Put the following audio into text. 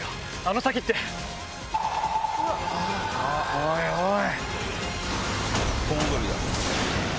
おいおい！